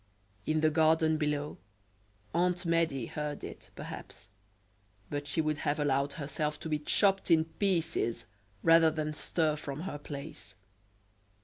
In the garden below Aunt Medea heard it, perhaps; but she would have allowed herself to be chopped in pieces rather than stir from her place.